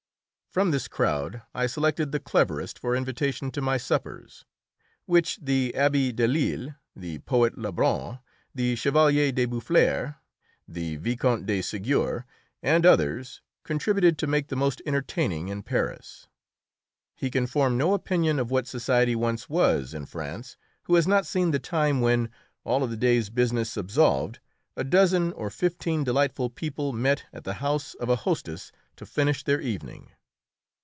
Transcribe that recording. ] From this crowd I selected the cleverest for invitation to my suppers, which the Abbé Delille, the poet Lebrun, the Chevalier de Boufflers, the Viscount de Ségur, and others contributed to make the most entertaining in Paris. He can form no opinion of what society once was in France who has not seen the time when, all of the day's business absolved, a dozen or fifteen delightful people met at the house of a hostess to finish their evening.